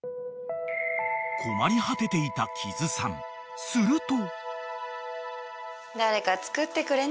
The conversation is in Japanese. ［困り果てていた木津さんすると］